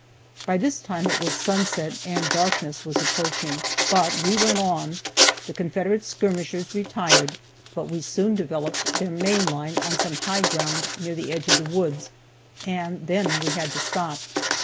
By this time it was sunset, and darkness was approaching, but we went on. The Confederate skirmishers retired, but we soon developed their main line on some high ground near the edge of the woods, and then we had to stop.